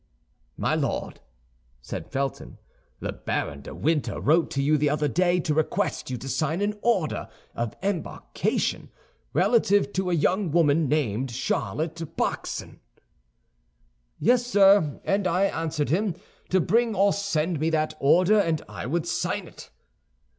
"My Lord," said Felton, "the Baron de Winter wrote to you the other day to request you to sign an order of embarkation relative to a young woman named Charlotte Backson." "Yes, sir; and I answered him, to bring or send me that order and I would sign it."